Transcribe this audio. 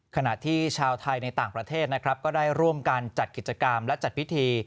ขณะที่ชาวไทยในต่างประเทศนะครับก็ได้ร่วมกันจัดกิจกรรมและจัดพิธี